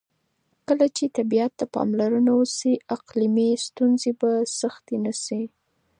کله چې طبیعت ته پاملرنه وشي، اقلیمي ستونزې به سختې نه شي.